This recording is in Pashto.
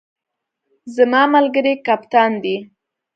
زما ملګری کپتان دی